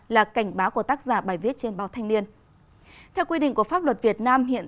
là cảnh báo của tác giả bài viết trên báo thanh liên